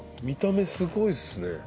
見た目すごいっすね。